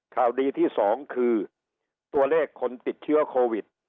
ข่าวดีที่สองคือตัวเลขคนติดเชื้อโควิด